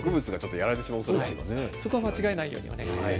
そこは間違いないようにお願いします。